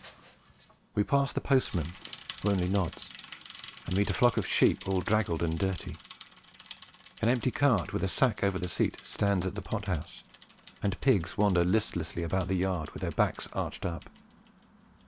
We pass the postman, who only nods, and meet a flock of sheep all draggled and dirty. An empty cart with a sack over the seat stands at the pot house, and pigs wander listlessly about the yard with their backs arched up.